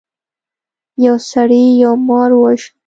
یو سړي یو مار وواژه.